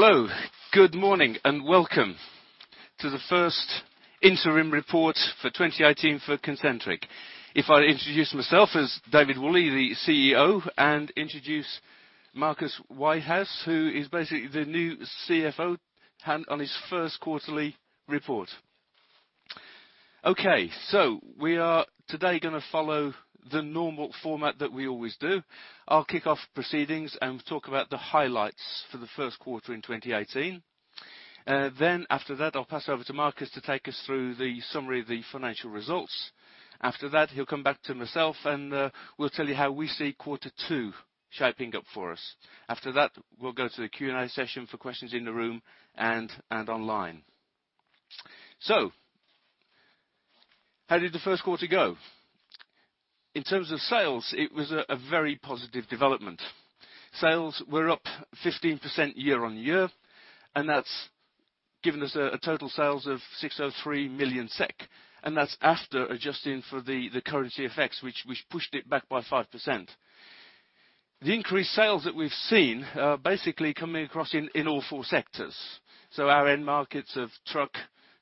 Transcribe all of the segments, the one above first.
Hello. Good morning, welcome to the first interim report for 2018 for Concentric. I introduce myself as David Woolley, the CEO, and introduce Marcus Whitehouse, who is basically the new CFO on his first quarterly report. We are today going to follow the normal format that we always do. I'll kick off proceedings and talk about the highlights for the first quarter in 2018. After that, I'll pass over to Marcus to take us through the summary of the financial results. After that, he'll come back to myself, and we'll tell you how we see quarter two shaping up for us. After that, we'll go to the Q&A session for questions in the room and online. How did the first quarter go? In terms of sales, it was a very positive development. Sales were up 15% year-on-year, That's given us a total sales of 603 million SEK, That's after adjusting for the currency effects, which pushed it back by 5%. The increased sales that we've seen are basically coming across in all four sectors. Our end markets of truck,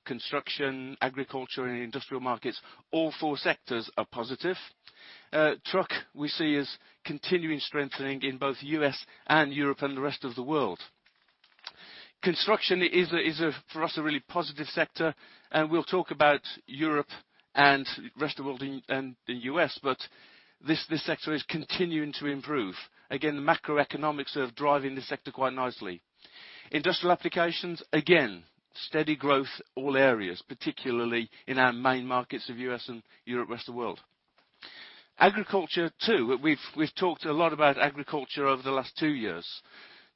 construction, agriculture, and industrial markets, all four sectors are positive. Truck, we see as continuing strengthening in both U.S. and Europe and the rest of the world. Construction is, for us, a really positive sector, and we'll talk about Europe and the rest of the world and the U.S., but this sector is continuing to improve. Again, the macroeconomics are driving this sector quite nicely. Industrial applications, again, steady growth all areas, particularly in our main markets of U.S. and Europe, rest of the world. Agriculture too. We've talked a lot about agriculture over the last two years.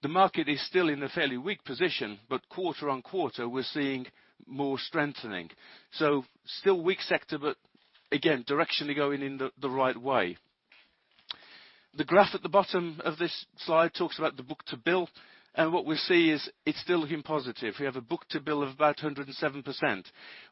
The market is still in a fairly weak position, Quarter-on-quarter, we're seeing more strengthening. Still weak sector, but again, directionally going in the right way. The graph at the bottom of this slide talks about the book-to-bill, What we see is it's still looking positive. We have a book-to-bill of about 107%.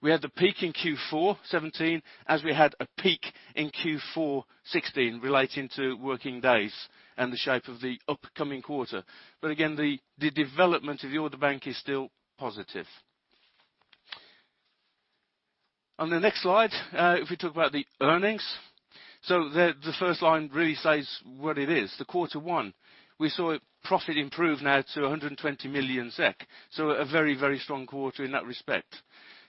We had the peak in Q4 2017, as we had a peak in Q4 2016 relating to working days and the shape of the upcoming quarter. Again, the development of the order bank is still positive. On the next slide, we talk about the earnings, The first line really says what it is. The quarter one, we saw a profit improve now to 120 million SEK, A very, very strong quarter in that respect.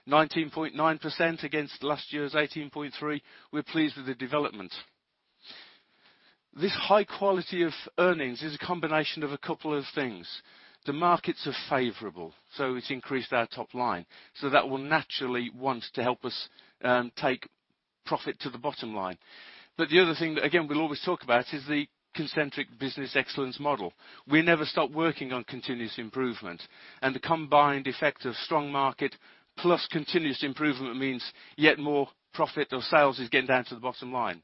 19.9% against last year's 18.3%. We're pleased with the development. This high quality of earnings is a combination of a couple of things. The markets are favorable, It's increased our top line. That will naturally want to help us take profit to the bottom line. The other thing that, again, we'll always talk about is the Concentric Business Excellence model. We never stop working on continuous improvement, The combined effect of strong market plus continuous improvement means yet more profit or sales is getting down to the bottom line.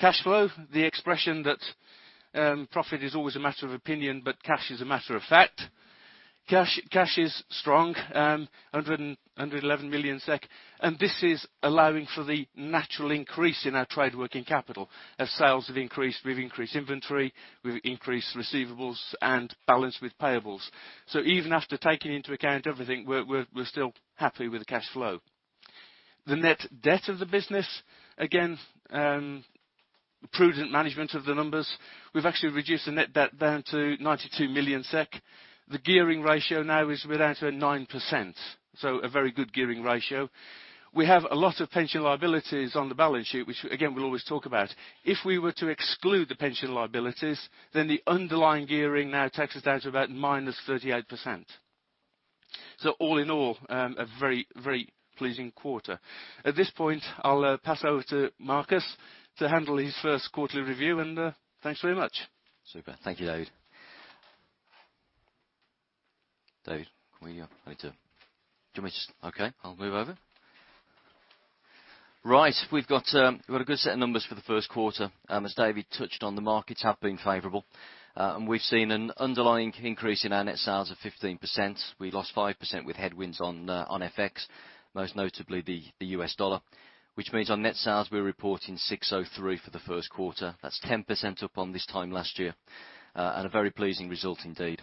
Cash flow, the expression that profit is always a matter of opinion, Cash is a matter of fact. Cash is strong, 111 million SEK, This is allowing for the natural increase in our trade working capital. As sales have increased, we've increased inventory, we've increased receivables and balance with payables. Even after taking into account everything, we're still happy with the cash flow. The net debt of the business, again, prudent management of the numbers. We've actually reduced the net debt down to 92 million SEK. The gearing ratio now is we're down to 9%, so a very good gearing ratio. We have a lot of pension liabilities on the balance sheet, which again, we'll always talk about. If we were to exclude the pension liabilities, then the underlying gearing now takes us down to about -38%. All in all, a very, very pleasing quarter. At this point, I'll pass over to Marcus to handle his first quarterly review, and thanks very much. Super. Thank you, David. David, can we, how do we do it? Do you want me to just? Okay, I'll move over. Right. We've got a good set of numbers for the first quarter. As David touched on, the markets have been favorable, we've seen an underlying increase in our net sales of 15%. We lost 5% with headwinds on FX, most notably the US dollar, which means on net sales, we're reporting 603 million for the first quarter. That's 10% up on this time last year, a very pleasing result indeed.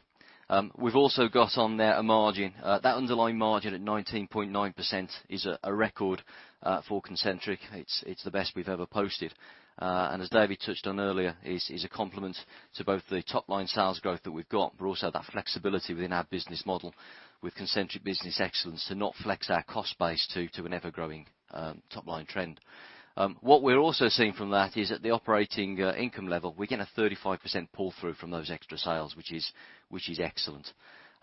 We've also got on there a margin. That underlying margin at 19.9% is a record for Concentric. It's the best we've ever posted. As David touched on earlier, is a compliment to both the top line sales growth that we've got, but also that flexibility within our business model with Concentric Business Excellence to not flex our cost base to an ever-growing top-line trend. What we're also seeing from that is at the operating income level, we get a 35% pull-through from those extra sales, which is excellent.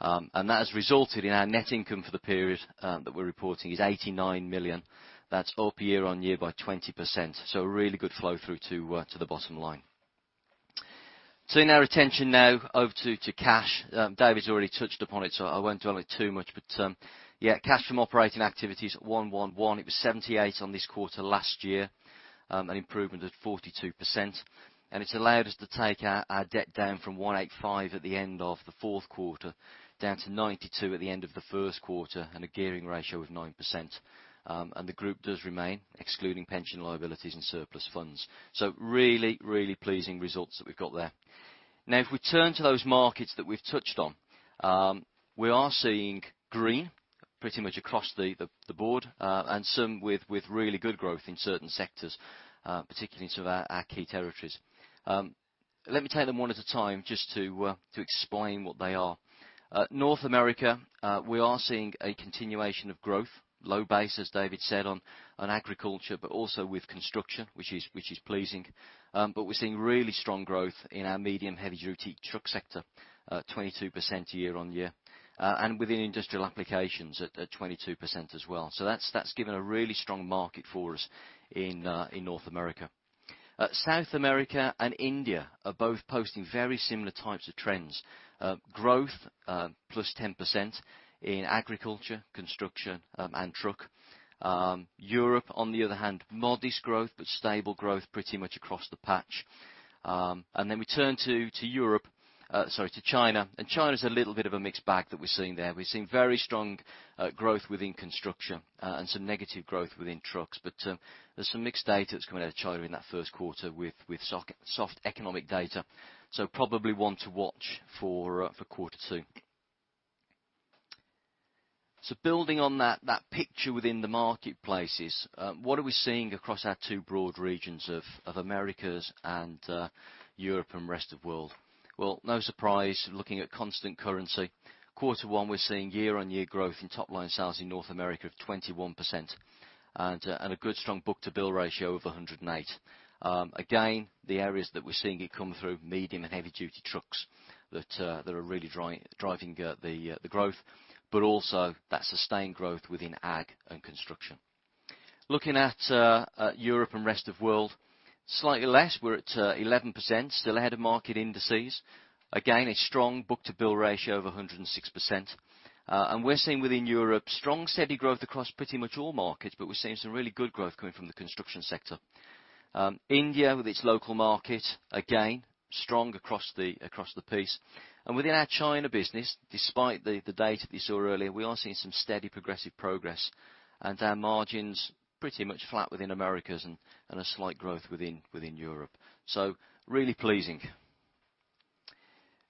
That has resulted in our net income for the period that we're reporting is 89 million. That's up year-on-year by 20%, a really good flow-through to the bottom line. Turning our attention now over to cash. David's already touched upon it, so I won't dwell on it too much, but yeah, cash from operating activities at 111 million. It was 78 million on this quarter last year, an improvement of 42%, it's allowed us to take our debt down from 185 million at the end of the fourth quarter down to 92 million at the end of the first quarter, a gearing ratio of 9%. The group does remain, excluding pension liabilities and surplus funds. Really, really pleasing results that we've got there. If we turn to those markets that we've touched on, we are seeing green pretty much across the board, some with really good growth in certain sectors, particularly some of our key territories. Let me take them one at a time just to explain what they are. North America, we are seeing a continuation of growth. Low base, as David said, on agriculture, but also with construction, which is pleasing. We're seeing really strong growth in our medium-heavy-duty truck sector, 22% year-on-year, and within industrial applications at 22% as well. That's given a really strong market for us in North America. South America and India are both posting very similar types of trends. Growth +10% in agriculture, construction, and truck. On the other hand, modest growth, but stable growth pretty much across the patch. We turn to China's a little bit of a mixed bag that we're seeing there. We're seeing very strong growth within construction, and some negative growth within trucks. There's some mixed data that's coming out of China in that first quarter with soft economic data, so probably one to watch for quarter two. Building on that picture within the marketplaces, what are we seeing across our two broad regions of Americas and Europe and rest of world? No surprise, looking at constant currency, quarter one, we're seeing year-on-year growth in top-line sales in North America of 21%, and a good strong book-to-bill ratio of 108. The areas that we're seeing it come through, medium and heavy-duty trucks that are really driving the growth, but also that sustained growth within ag and construction. Looking at Europe and rest of world, slightly less. We're at 11%, still ahead of market indices. Again, a strong book-to-bill ratio of 106%. We're seeing within Europe, strong, steady growth across pretty much all markets, but we're seeing some really good growth coming from the construction sector. India with its local market, strong across the piece. Within our China business, despite the data that you saw earlier, we are seeing some steady progressive progress, our margins pretty much flat within Americas and a slight growth within Europe. Really pleasing.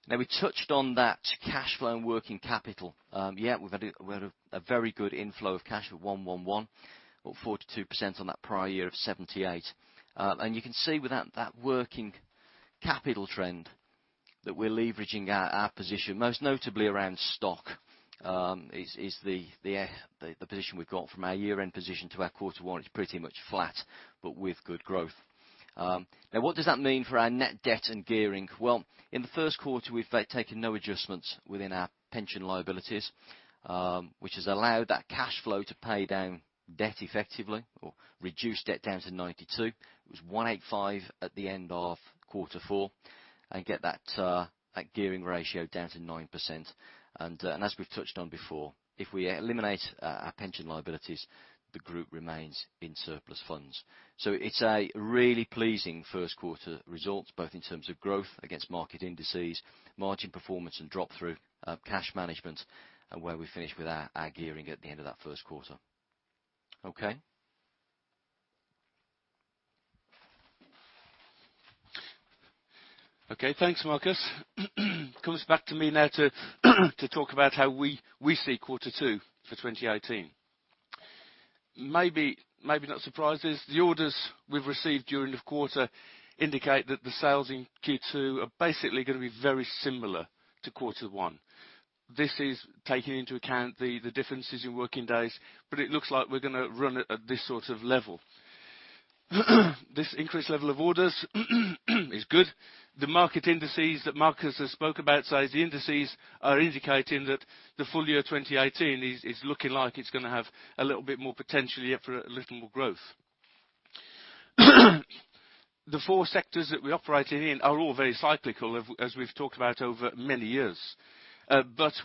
We touched on that cash flow and working capital. We've had a very good inflow of cash of 111, up 42% on that prior year of 78. You can see with that working capital trend that we're leveraging our position, most notably around stock, is the position we've got from our year-end position to our quarter one. It's pretty much flat, but with good growth. What does that mean for our net debt and gearing? In the first quarter, we've taken no adjustments within our pension liabilities, which has allowed that cash flow to pay down debt effectively or reduce debt down to 92. It was 185 at the end of quarter four, and get that gearing ratio down to 9%. As we've touched on before, if we eliminate our pension liabilities, the group remains in surplus funds. It's a really pleasing first quarter result, both in terms of growth against market indices, margin performance, and drop-through of cash management, and where we finish with our gearing at the end of that first quarter. Okay. Okay, thanks, Marcus. Comes back to me now to talk about how we see quarter two for 2018. Maybe not surprises. The orders we've received during the quarter indicate that the sales in Q2 are basically going to be very similar to quarter one. This is taking into account the differences in working days, but it looks like we're going to run it at this sort of level. This increased level of orders is good. The market indices that Marcus has spoke about, says the indices are indicating that the full year 2018 is looking like it's going to have a little bit more potential here for a little more growth. The four sectors that we operate in are all very cyclical, as we've talked about over many years.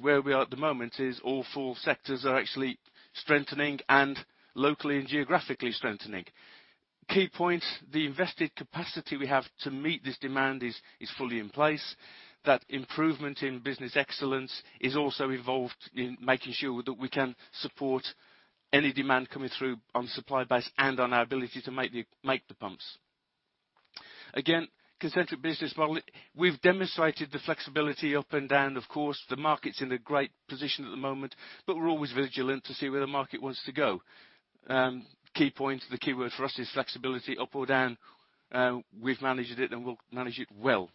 Where we are at the moment is all four sectors are actually strengthening and locally and geographically strengthening. Key points, the invested capacity we have to meet this demand is fully in place. That improvement in Business Excellence is also involved in making sure that we can support any demand coming through on supply base and on our ability to make the pumps. Again, Concentric business model. We've demonstrated the flexibility up and down. Of course, the market's in a great position at the moment, we're always vigilant to see where the market wants to go. Key points, the keyword for us is flexibility up or down. We've managed it, and we'll manage it well.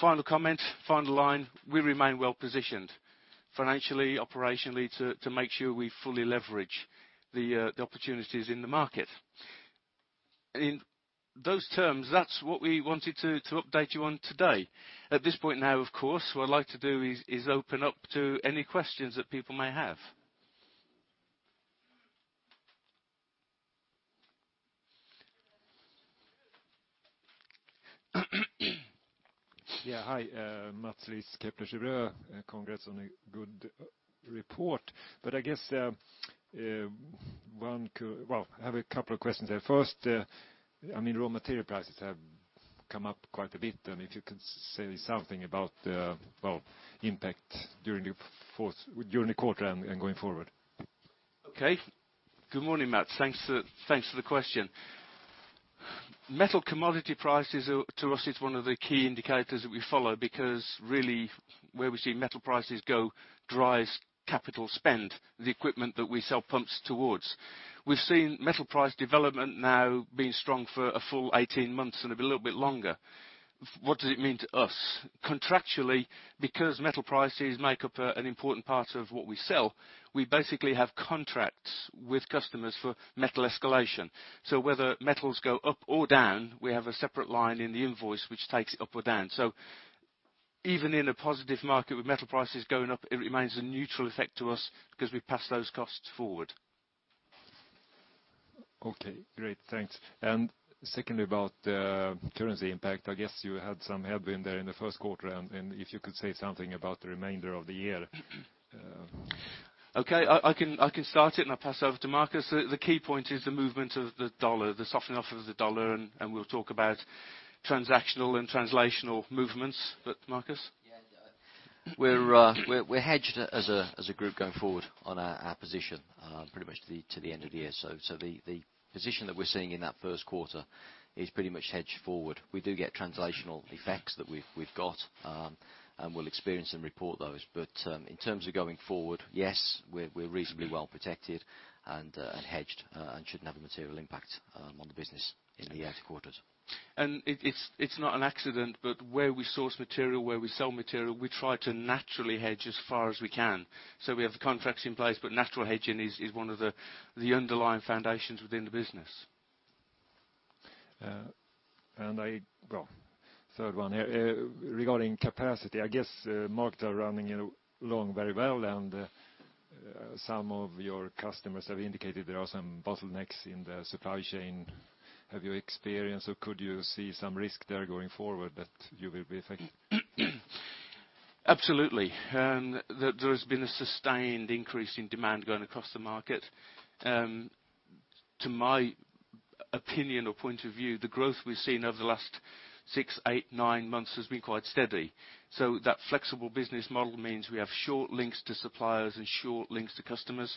Final comment, final line, we remain well positioned financially, operationally to make sure we fully leverage the opportunities in the market. In those terms, that's what we wanted to update you on today. At this point now, of course, what I'd like to do is open up to any questions that people may have. Yeah, hi, Mats Liss, Kepler Cheuvreux. Congrats on a good report. I guess, I have a couple of questions there. First, raw material prices have come up quite a bit, and if you could say something about the impact during the quarter and going forward. Okay. Good morning, Mats. Thanks for the question. Metal commodity prices to us is one of the key indicators that we follow, because really where we see metal prices go drives capital spend, the equipment that we sell pumps towards. We've seen metal price development now being strong for a full 18 months and a little bit longer. What does it mean to us? Contractually, because metal prices make up an important part of what we sell, we basically have contracts with customers for metal escalation. Whether metals go up or down, we have a separate line in the invoice which takes it up or down. Even in a positive market with metal prices going up, it remains a neutral effect to us because we pass those costs forward. Okay, great. Thanks. Secondly, about the currency impact, I guess you had some help in there in the first quarter, and if you could say something about the remainder of the year. Okay. I can start it, and I'll pass over to Marcus. The key point is the movement of the dollar, the softening off of the dollar, and we'll talk about transactional and translational movements. Marcus? Yeah. We're hedged as a group going forward on our position pretty much to the end of the year. The position that we're seeing in that first quarter is pretty much hedged forward. We do get translational effects that we've got, and we'll experience and report those. In terms of going forward, yes, we're reasonably well protected and hedged, and shouldn't have a material impact on the business in the next quarters. It's not an accident, but where we source material, where we sell material, we try to naturally hedge as far as we can. We have the contracts in place, but natural hedging is one of the underlying foundations within the business. Regarding capacity, I guess markets are running along very well and some of your customers have indicated there are some bottlenecks in the supply chain. Have you experienced or could you see some risk there going forward that you will be affected? Absolutely. There has been a sustained increase in demand going across the market. To my opinion or point of view, the growth we've seen over the last six, eight, nine months has been quite steady. That flexible business model means we have short links to suppliers and short links to customers.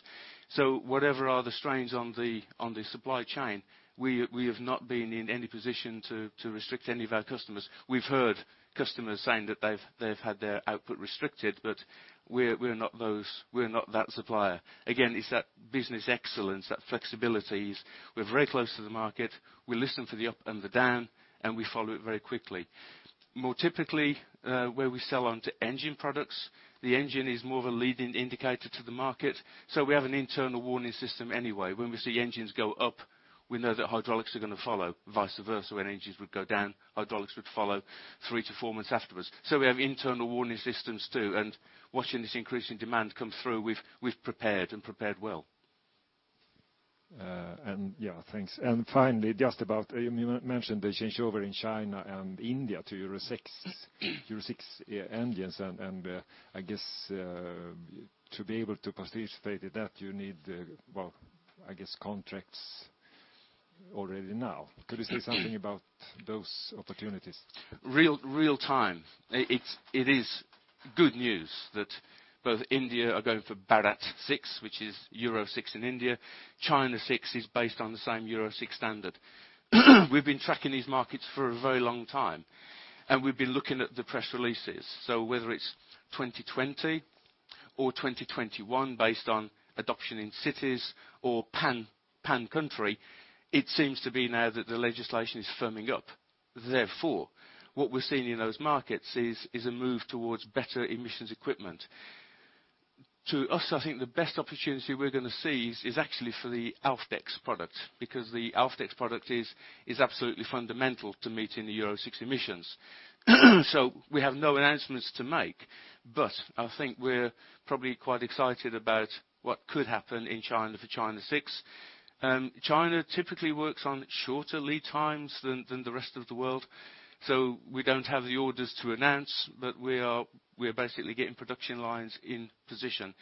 Whatever are the strains on the supply chain, we have not been in any position to restrict any of our customers. We've heard customers saying that they've had their output restricted, but we're not that supplier. Again, it's that Business Excellence, that flexibilities. We're very close to the market. We listen for the up and the down, and we follow it very quickly. More typically, where we sell onto engine products, the engine is more of a leading indicator to the market, so we have an internal warning system anyway. When we see engines go up, we know that hydraulics are going to follow, vice versa. When engines would go down, hydraulics would follow three to four months afterwards. We have internal warning systems, too, and watching this increase in demand come through, we've prepared and prepared well. Yeah, thanks. Finally, just about, you mentioned the changeover in China and India to Euro 6 engines, I guess to be able to participate in that, you need, well, I guess contracts already now. Could you say something about those opportunities? Real time. It is good news that both India are going for Bharat 6, which is Euro 6 in India. China 6 is based on the same Euro 6 standard. We've been tracking these markets for a very long time, we've been looking at the press releases. Whether it's 2020 or 2021, based on adoption in cities or pan country, it seems to be now that the legislation is firming up. Therefore, what we're seeing in those markets is a move towards better emissions equipment. To us, I think the best opportunity we're going to see is actually for the Alfdex product, because the Alfdex product is absolutely fundamental to meeting the Euro 6 emissions. We have no announcements to make, but I think we're probably quite excited about what could happen in China for China 6. China typically works on shorter lead times than the rest of the world. We don't have the orders to announce, but we are basically getting production lines in position.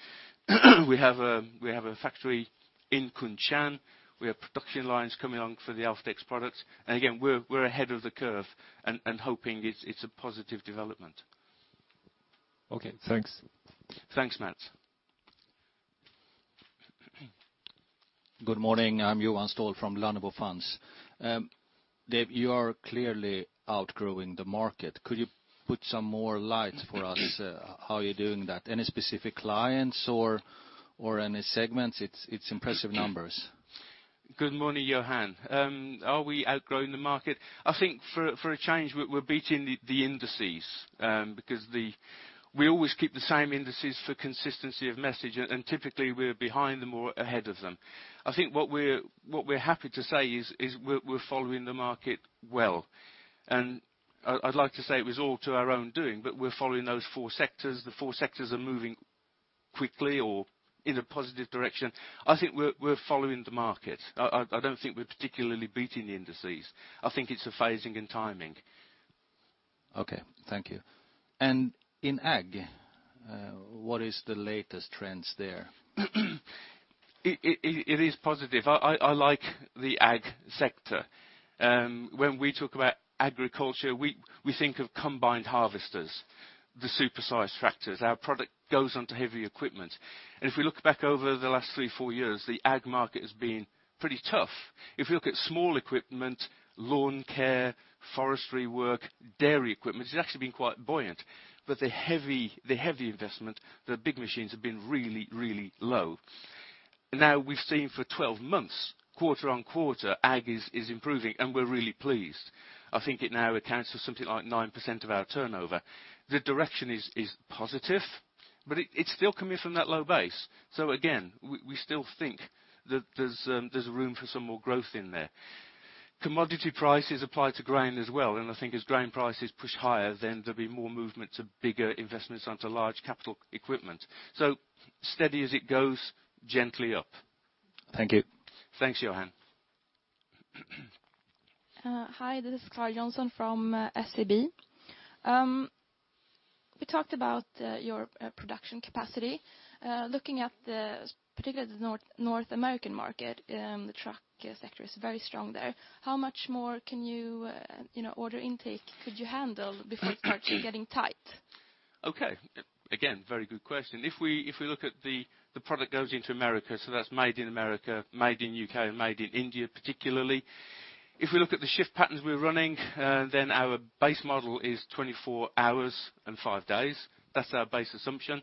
We have a factory in Kunshan. We have production lines coming on for the Alfdex products, again, we're ahead of the curve and hoping it's a positive development. Okay, thanks. Thanks, Mats. Good morning. I'm Johan Ståhl from Lannebo Fonder. Dave, you are clearly outgrowing the market. Could you put some more light for us how you're doing that? Any specific clients or any segments? It's impressive numbers. Good morning, Johan. Are we outgrowing the market? I think for a change, we're beating the indices, because we always keep the same indices for consistency of message, and typically, we're behind them or ahead of them. I think what we're happy to say is we're following the market well. I'd like to say it was all to our own doing, but we're following those four sectors. The four sectors are moving quickly or in a positive direction. I think we're following the market. I don't think we're particularly beating the indices. I think it's a phasing and timing. Okay, thank you. In ag, what is the latest trends there? It is positive. I like the ag sector. When we talk about agriculture, we think of combined harvesters, the supersized tractors. Our product goes onto heavy equipment. If we look back over the last three, four years, the ag market has been pretty tough. If you look at small equipment, lawn care, forestry work, dairy equipment, it's actually been quite buoyant. The heavy investment, the big machines have been really low. Now we've seen for 12 months, quarter-on-quarter, ag is improving, and we're really pleased. I think it now accounts for something like 9% of our turnover. The direction is positive, but it's still coming from that low base. Again, we still think that there's room for some more growth in there. Commodity prices apply to grain as well. I think as grain prices push higher, there'll be more movement to bigger investments onto large capital equipment. Steady as it goes, gently up. Thank you. Thanks, Johan. Hi, this is Carl Johnson from SEB. We talked about your production capacity. Looking at particularly the North American market, the truck sector is very strong there. How much more order intake could you handle before parts are getting tight? Okay. Again, very good question. If we look at the product goes into America, that's made in America, made in U.K., made in India particularly. If we look at the shift patterns we're running, our base model is 24 hours and five days. That's our base assumption.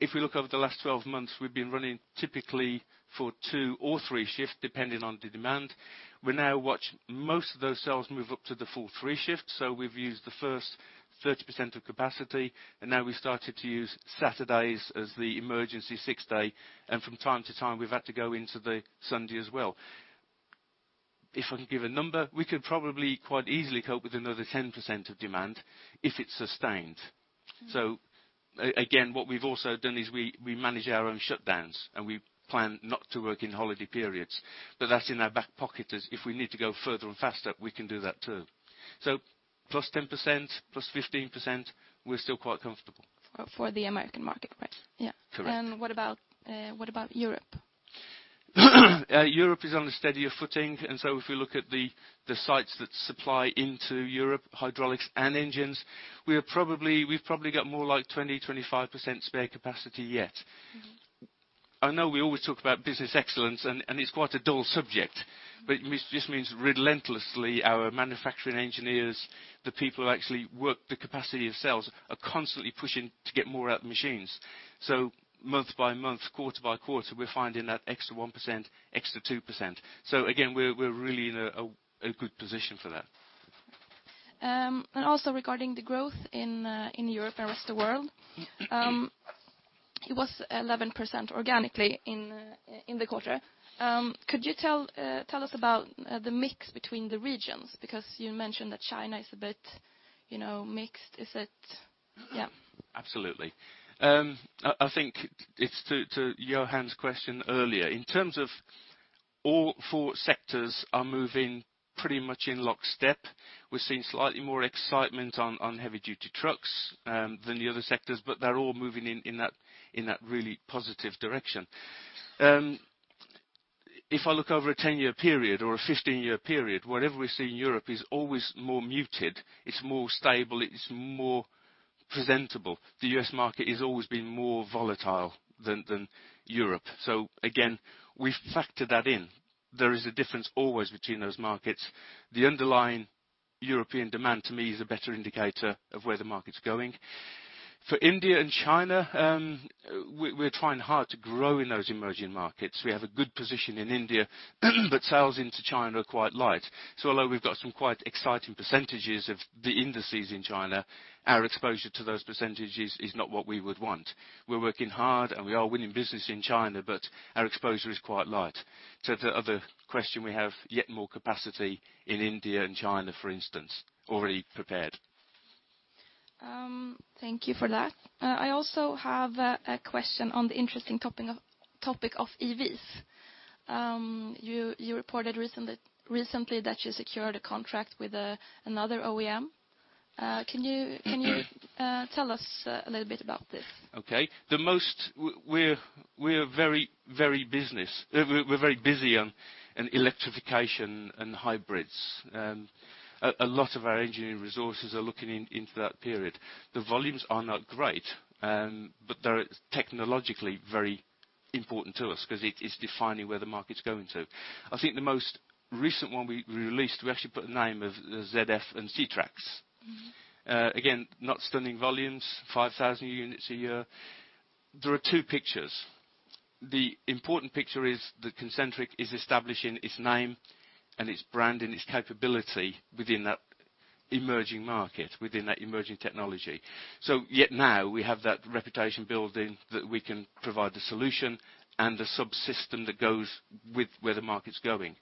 If we look over the last 12 months, we've been running typically for two or three shifts, depending on the demand. We now watch most of those cells move up to the full three shifts. We've used the first 30% of capacity, and now we've started to use Saturdays as the emergency six-day, and from time to time, we've had to go into the Sunday as well. If I can give a number, we could probably quite easily cope with another 10% of demand if it's sustained. Again, what we've also done is we manage our own shutdowns, and we plan not to work in holiday periods. That's in our back pocket is if we need to go further and faster, we can do that too. Plus 10%, plus 15%, we're still quite comfortable. For the American market, right? Correct. What about Europe? Europe is on a steadier footing. If we look at the sites that supply into Europe, hydraulics and engines, we've probably got more like 20%-25% spare capacity yet. I know we always talk about Concentric Business Excellence, it's quite a dull subject, but it just means relentlessly our manufacturing engineers, the people who actually work the capacity of sales, are constantly pushing to get more out of the machines. Month by month, quarter by quarter, we're finding that extra 1%, extra 2%. Again, we're really in a good position for that. Also regarding the growth in Europe and the rest of world, it was 11% organically in the quarter. Could you tell us about the mix between the regions? Because you mentioned that China is a bit mixed. Is it? Yeah. Absolutely. I think it's to Johan's question earlier, in terms of all four sectors are moving pretty much in lockstep. We're seeing slightly more excitement on heavy duty trucks than the other sectors, but they're all moving in that really positive direction. If I look over a 10-year period or a 15-year period, whatever we see in Europe is always more muted. It's more stable, it's more presentable. The U.S. market has always been more volatile than Europe. Again, we factor that in. There is a difference always between those markets. The underlying European demand to me is a better indicator of where the market's going. For India and China, we're trying hard to grow in those emerging markets. We have a good position in India, but sales into China are quite light. Although we've got some quite exciting percentages of the indices in China, our exposure to those percentages is not what we would want. We're working hard and we are winning business in China, but our exposure is quite light. To the other question, we have yet more capacity in India and China, for instance, already prepared. Thank you for that. I also have a question on the interesting topic of EVs. You reported recently that you secured a contract with another OEM. Can you tell us a little bit about this? Okay. We're very busy on electrification and hybrids. A lot of our engineering resources are looking into that period. The volumes are not great, but they're technologically very important to us because it is defining where the market's going to. I think the most recent one we released, we actually put the name of the ZF and CeTrax. Again, not stunning volumes, 5,000 units a year. There are two pictures. The important picture is that Concentric is establishing its name and its brand and its capability within that emerging market, within that emerging technology. Yet now we have that reputation building that we can provide the solution and the subsystem that goes with where the market's going.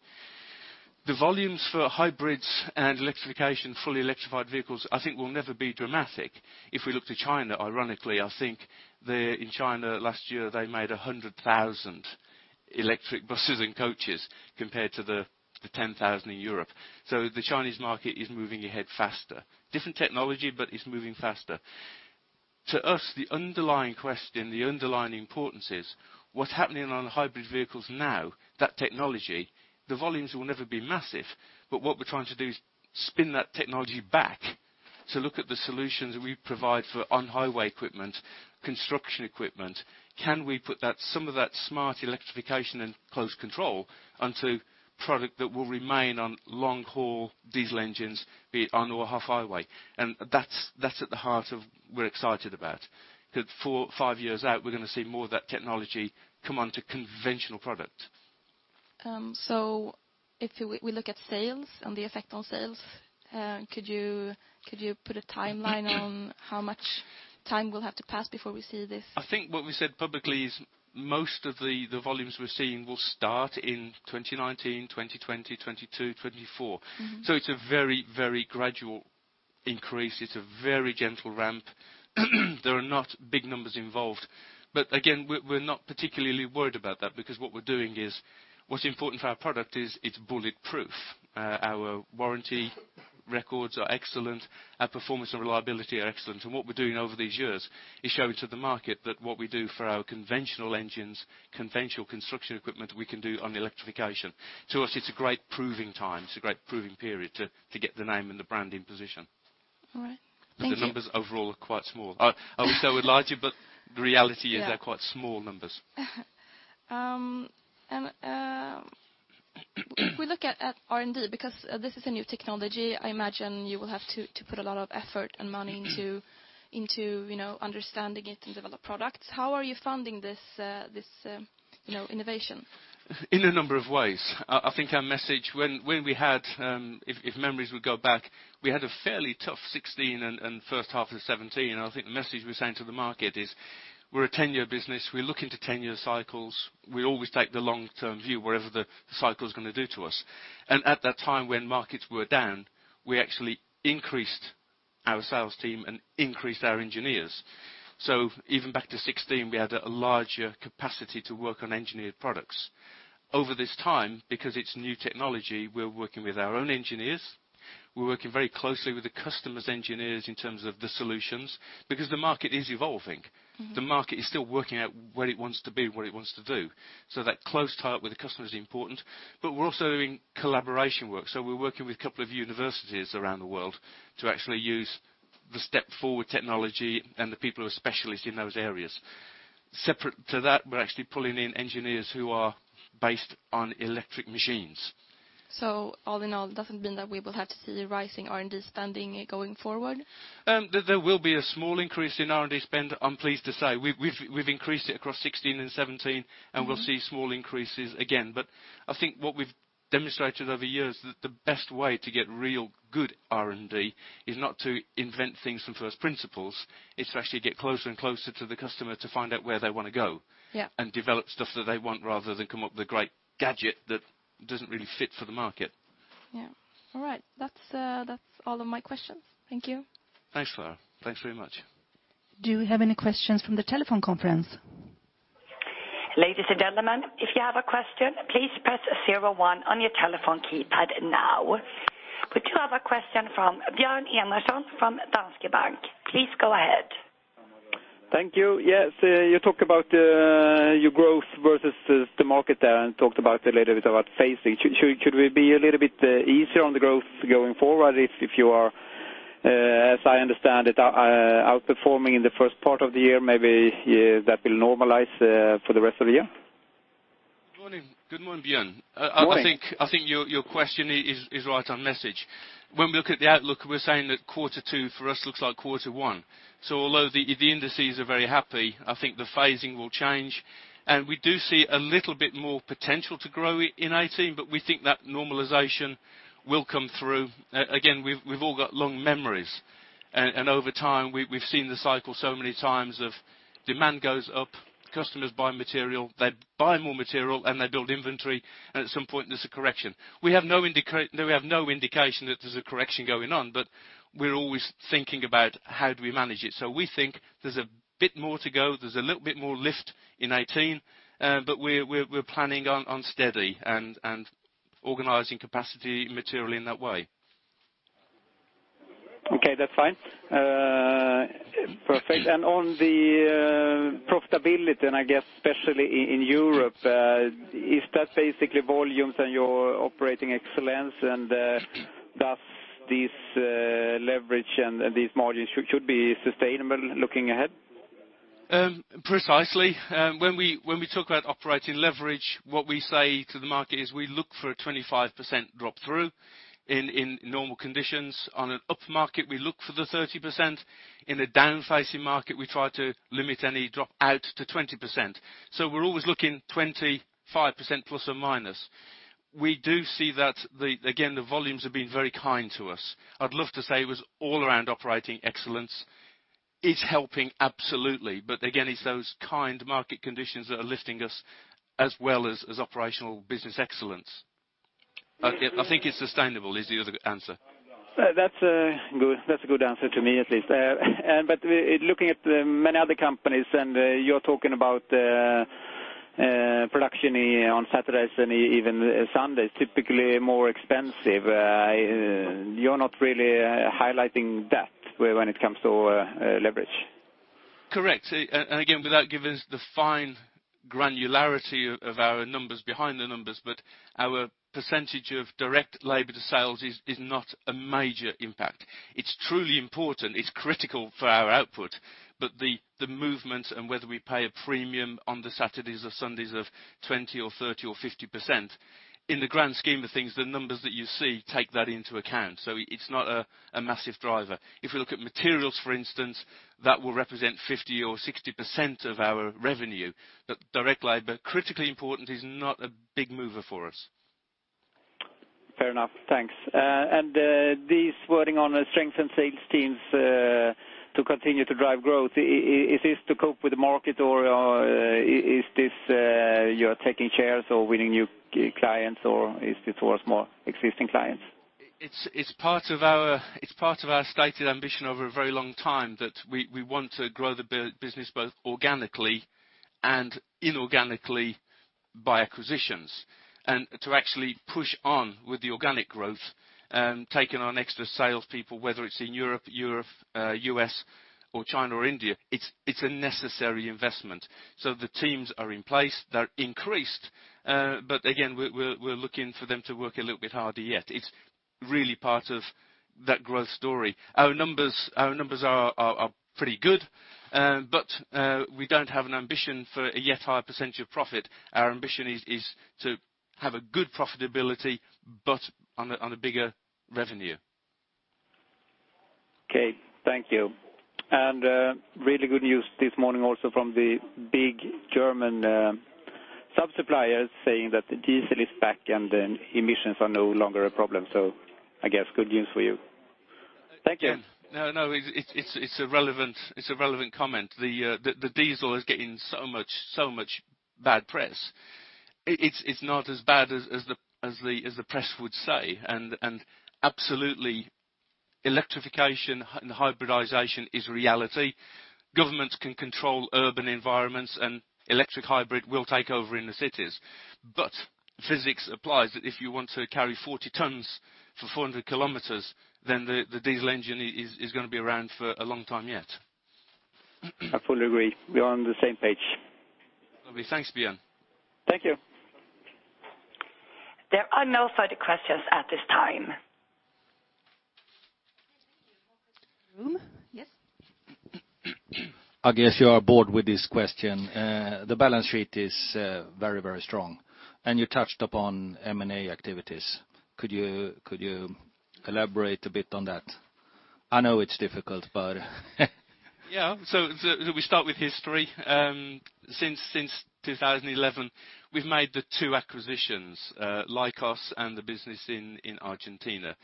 The volumes for hybrids and electrification, fully electrified vehicles, I think will never be dramatic. If we look to China, ironically, I think in China last year, they made 100,000 electric buses and coaches compared to the 10,000 in Europe. The Chinese market is moving ahead faster. Different technology, but it's moving faster. To us, the underlying question, the underlying importance is what's happening on hybrid vehicles now, that technology, the volumes will never be massive. What we're trying to do is spin that technology back to look at the solutions that we provide for on-highway equipment, construction equipment. Can we put some of that smart electrification and close control onto product that will remain on long-haul diesel engines, be it on or off-highway? And that's at the heart of, we're excited about. That four, five years out, we're going to see more of that technology come onto conventional product. If we look at sales and the effect on sales, could you put a timeline on how much time will have to pass before we see this? I think what we said publicly is most of the volumes we're seeing will start in 2019, 2020, 2022, 2024. It's a very gradual increase. It's a very gentle ramp. There are not big numbers involved. Again, we're not particularly worried about that because what we're doing is, what's important for our product is it's bulletproof. Our warranty records are excellent. Our performance and reliability are excellent. What we're doing over these years is showing to the market that what we do for our conventional engines, conventional construction equipment, we can do on electrification. To us, it's a great proving time. It's a great proving period to get the name and the brand in position. All right. Thank you. The numbers overall are quite small. I wish they were larger, but the reality is they're quite small numbers. If we look at R&D, because this is a new technology, I imagine you will have to put a lot of effort and money into understanding it and develop products. How are you funding this innovation? In a number of ways. I think our message, if memories would go back, we had a fairly tough 2016 and first half of 2017. I think the message we're saying to the market is we're a 10-year business, we look into 10-year cycles. We always take the long-term view, whatever the cycle is going to do to us. At that time when markets were down, we actually increased our sales team and increased our engineers. Even back to 2016, we had a larger capacity to work on engineered products. Over this time, because it's new technology, we're working with our own engineers. We're working very closely with the customer's engineers in terms of the solutions, because the market is evolving. The market is still working out where it wants to be and what it wants to do. That close tie-up with the customer is important, but we're also doing collaboration work. We're working with a couple of universities around the world to actually use the step-forward technology and the people who are specialists in those areas. Separate to that, we're actually pulling in engineers who are based on electric machines. All in all, it doesn't mean that we will have to see rising R&D spending going forward? There will be a small increase in R&D spend, I'm pleased to say. We've increased it across 2016 and 2017, and we'll see small increases again. I think what we've demonstrated over years, the best way to get real good R&D is not to invent things from first principles. It's to actually get closer and closer to the customer to find out where they want to go. Yeah. Develop stuff that they want rather than come up with a great gadget that doesn't really fit for the market. Yeah. All right. That's all of my questions. Thank you. Thanks, Carl. Thanks very much. Do we have any questions from the telephone conference? Ladies and gentlemen, if you have a question, please press 01 on your telephone keypad now. We do have a question from Björn Enarson from Danske Bank. Please go ahead. Thank you. Yes, you talk about your growth versus the market there and talked a little bit about phasing. Should we be a little bit easier on the growth going forward if you are, as I understand it, outperforming in the first part of the year, maybe that will normalize for the rest of the year? Good morning. Good morning, Björn. Good morning. I think your question is right on message. When we look at the outlook, we're saying that quarter 2 for us looks like quarter 1. Although the indices are very happy, I think the phasing will change, and we do see a little bit more potential to grow in 2018, but we think that normalization will come through. Again, we've all got long memories, and over time, we've seen the cycle so many times of demand goes up, customers buy material, they buy more material, and they build inventory, and at some point, there's a correction. We have no indication that there's a correction going on, but we're always thinking about how do we manage it. We think there's a bit more to go. There's a little bit more lift in 2018, but we're planning on steady and organizing capacity materially in that way. Okay, that's fine. Perfect. On the profitability, and I guess especially in Europe, is that basically volumes and your operating excellence, and thus this leverage and these margins should be sustainable looking ahead? Precisely. When we talk about operating leverage, what we say to the market is we look for a 25% drop-through in normal conditions. On an upmarket, we look for the 30%. In a down-facing market, we try to limit any drop-out to 20%. We're always looking 25% plus or minus. We do see that, again, the volumes have been very kind to us. I'd love to say it was all around operating excellence. It's helping absolutely, but again, it's those kind market conditions that are lifting us as well as operational business excellence. I think it's sustainable is the other answer. That's a good answer to me, at least. Looking at many other companies, and you're talking about production on Saturdays and even Sundays, typically more expensive. You're not really highlighting that when it comes to leverage. Correct. Again, without giving the fine granularity of our numbers behind the numbers, our percentage of direct labor to sales is not a major impact. It's truly important, it's critical for our output. The movements and whether we pay a premium on the Saturdays or Sundays of 20% or 30% or 50%, in the grand scheme of things, the numbers that you see take that into account. It's not a massive driver. If we look at materials, for instance, that will represent 50% or 60% of our revenue. Direct labor, critically important, is not a big mover for us. Fair enough. Thanks. This wording on strengthen sales teams to continue to drive growth, is this to cope with the market, or you're taking shares or winning new clients, or is this towards more existing clients? It's part of our stated ambition over a very long time that we want to grow the business both organically and inorganically by acquisitions. To actually push on with the organic growth, taking on extra sales people, whether it's in Europe, U.S. or China or India, it's a necessary investment. The teams are in place. They're increased. Again, we're looking for them to work a little bit harder yet. It's really part of that growth story. Our numbers are pretty good, but we don't have an ambition for a yet higher percentage of profit. Our ambition is to have a good profitability, but on a bigger revenue. Okay. Thank you. Really good news this morning also from the big German suppliers saying that diesel is back and emissions are no longer a problem. I guess good news for you. Thank you. No. It's a relevant comment. The diesel is getting so much bad press. It's not as bad as the press would say. Absolutely, electrification and hybridization is reality. Governments can control urban environments, and electric hybrid will take over in the cities. Physics applies that if you want to carry 40 tons for 400 km, then the diesel engine is going to be around for a long time yet. I fully agree. We are on the same page. Lovely. Thanks, Björn. Thank you. There are no further questions at this time. Yes. I guess you are bored with this question. The balance sheet is very, very strong. You touched upon M&A activities. Could you elaborate a bit on that? I know it's difficult, but We start with history. Since 2011, we've made the two acquisitions, Licos and the business in Argentina.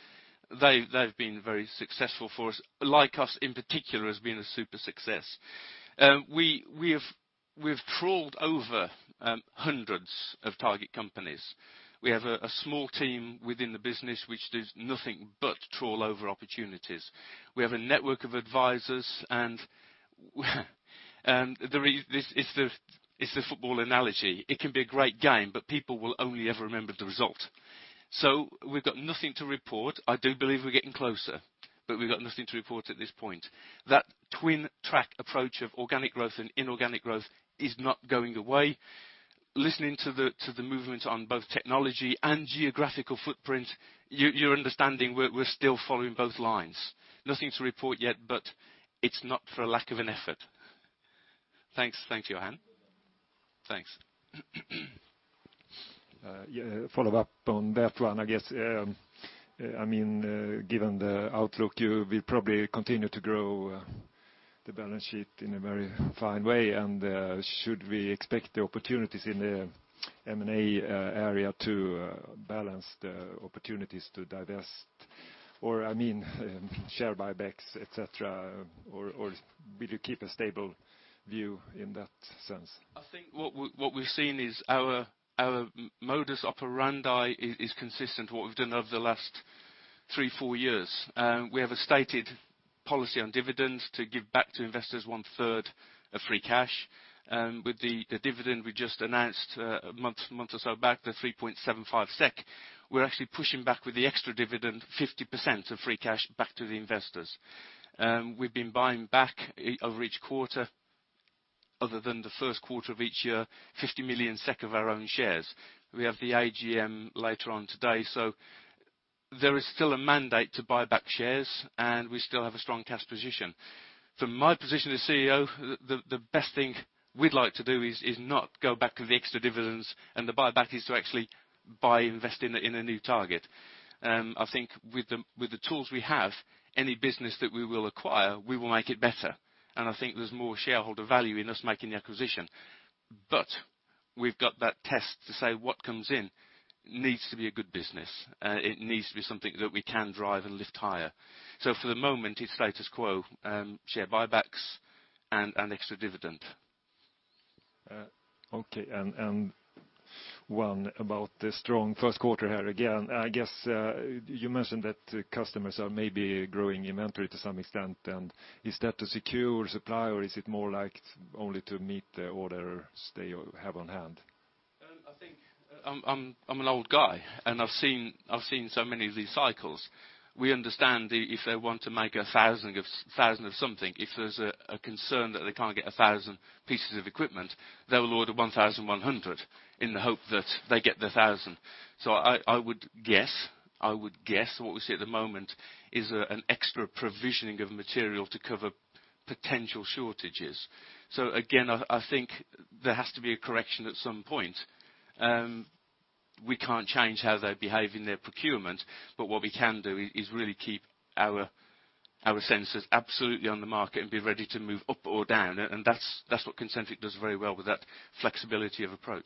They've been very successful for us. Licos in particular has been a super success. We've trawled over hundreds of target companies. We have a small team within the business which does nothing but trawl over opportunities. We have a network of advisors and it's the football analogy, it can be a great game, but people will only ever remember the result. We've got nothing to report. I do believe we're getting closer, but we've got nothing to report at this point. That twin track approach of organic growth and inorganic growth is not going away. Listening to the movement on both technology and geographical footprint, you're understanding we're still following both lines. Nothing to report yet, but it's not for a lack of an effort. Thanks, Johan. Thanks. Follow up on that one, I guess. Given the outlook, you will probably continue to grow the balance sheet in a very fine way. Should we expect the opportunities in the M&A area to balance the opportunities to dividends? Share buybacks, et cetera, or will you keep a stable view in that sense? I think what we've seen is our modus operandi is consistent to what we've done over the last three, four years. We have a stated policy on dividends to give back to investors one third of free cash. With the dividend we just announced a month or so back, the 3.75 SEK, we're actually pushing back with the extra dividend, 50% of free cash back to the investors. We've been buying back every each quarter, other than the first quarter of each year, 50 million SEK of our own shares. We have the AGM later on today. There is still a mandate to buy back shares, and we still have a strong cash position. From my position as CEO, the best thing we'd like to do is not go back to the extra dividends and the buyback is to actually buy, invest in a new target. I think with the tools we have, any business that we will acquire, we will make it better. I think there's more shareholder value in us making the acquisition. We've got that test to say what comes in needs to be a good business. It needs to be something that we can drive and lift higher. For the moment, it's status quo, share buybacks and extra dividend. Okay. One about the strong first quarter here again. I guess you mentioned that customers are maybe growing inventory to some extent, is that to secure supply or is it more like only to meet the orders they have on hand? I think I'm an old guy, and I've seen so many of these cycles. We understand if they want to make 1,000 of something, if there's a concern that they can't get 1,000 pieces of equipment, they will order 1,100 in the hope that they get the 1,000. I would guess what we see at the moment is an extra provisioning of material to cover potential shortages. Again, I think there has to be a correction at some point. We can't change how they behave in their procurement, but what we can do is really keep our sensors absolutely on the market and be ready to move up or down, and that's what Concentric does very well with that flexibility of approach.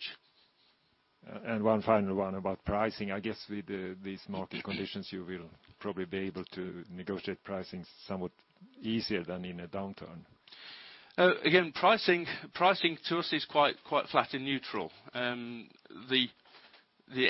One final one about pricing. I guess with these market conditions, you will probably be able to negotiate pricing somewhat easier than in a downturn. Again, pricing to us is quite flat and neutral. The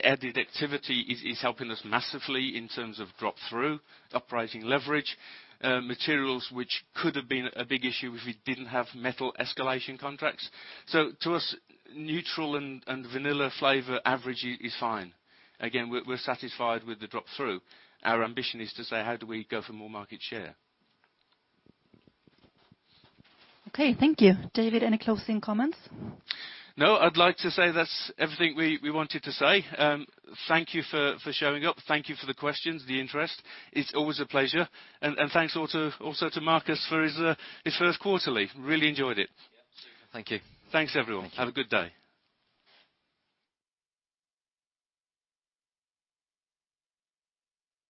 added activity is helping us massively in terms of drop-through, the upward pricing leverage, materials which could have been a big issue if we didn't have metal escalation contracts. To us, neutral and vanilla flavor average is fine. Again, we're satisfied with the drop-through. Our ambition is to say, how do we go for more market share? Okay, thank you. David, any closing comments? I'd like to say that's everything we wanted to say. Thank you for showing up. Thank you for the questions, the interest. It's always a pleasure. Thanks also to Marcus for his first quarterly. Really enjoyed it. Yep, see you. Thank you. Thanks, everyone. Thank you. Have a good day.